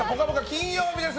金曜日です。